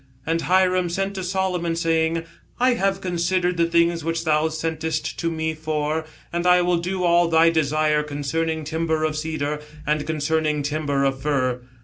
... And Hiram sent to Solomon, saying, I have considered the things which thou sentest to me for : and I will cL all thy desire concerning timber of cedar, and concerning timber of fir.